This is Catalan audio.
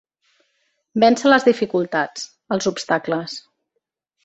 Vèncer les dificultats, els obstacles.